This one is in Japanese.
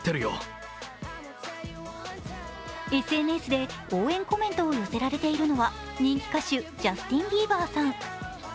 ＳＮＳで応援コメントを寄せられているのは人気歌手、ジャスティン・ビーバーさん。